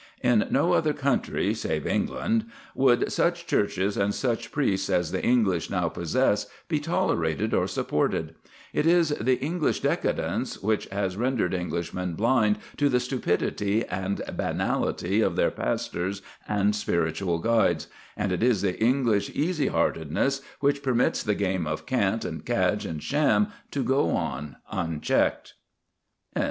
In no other country save England would such churches and such priests as the English now possess be tolerated or supported; it is the English decadence which has rendered Englishmen blind to the stupidity and banality of their pastors and spiritual guides, and it is the English easy heartedness which permits the game of cant and cadge and sham to go on unchecked.